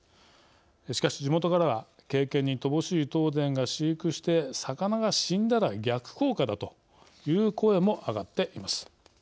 しかし地元からは経験に乏しい東電が飼育して魚が死んだら逆効果だという声も上がっています。